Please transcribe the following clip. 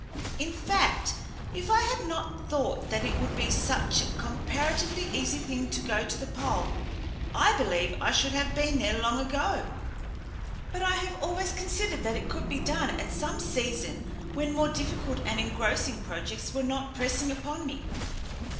In fact, if I had not thought that it would be such a comparatively easy thing to go to the pole, I believe I should have been there long ago; but I have always considered that it could be done at some season when more difficult and engrossing projects were not pressing upon me.